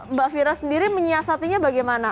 mbak fira sendiri menyiasatinya bagaimana